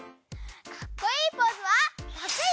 かっこいいポーズは得意！